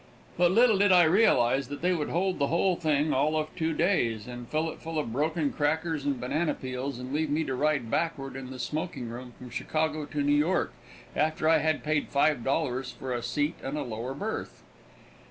But little did I realize that they would hold the whole thing all of two days, and fill it full of broken crackers and banana peels, and leave me to ride backward in the smoking room from Chicago to New York, after I had paid five dollars for a seat and lower berth.